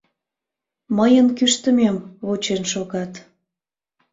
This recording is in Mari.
Мыйын кӱштымем вучен шогат.